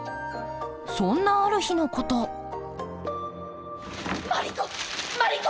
そんなある日のことマリ子！